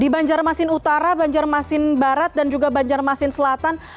di banjarmasin utara banjarmasin barat dan juga banjarmasin selatan